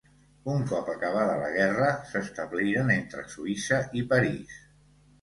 Un cop acabada la guerra s'establiren entre Suïssa i París.